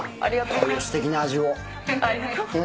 こういうすてきな味を。